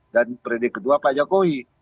dan periode kedua pak jokowi